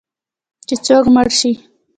چې څوک مړ شي